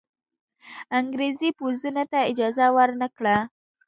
انګرېزي پوځونو ته اجازه ورنه کړه.